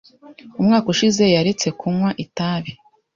Umwaka ushize yaretse kunywa itabi.